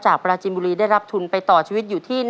ปราจินบุรีได้รับทุนไปต่อชีวิตอยู่ที่